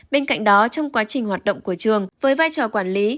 bên cạnh đó trong quá trình hoạt động của trường với vai trò quản lý